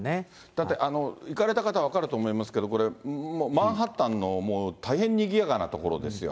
だって、行かれた方、分かると思いますけど、これ、もうマンハッタンの大変にぎやかな所ですよ。